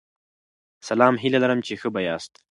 سلام هیله لرم چی ښه به یاست